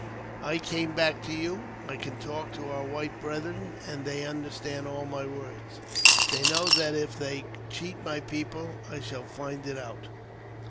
I came back to you. I can talk to our white brethren, and they understand all my words* They know that if they cheat my people I shall find it out.